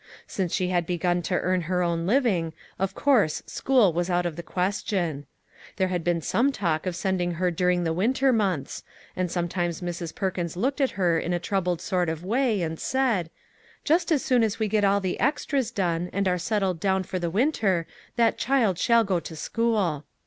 Since she had begun to earn her own living, of course school was out of the question. There had been some "MERRY CHRISTMAS TO MAG" talk of sending her during the winter months, and sometimes Mrs. Perkins looked at her in a troubled sort of way and said :" Just as soon as we get all the extras done, and are settled down for the winter, that child shall go to school."